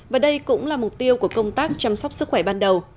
và đây cũng là mục tiêu của công tác chăm sóc sức khỏe ban đầu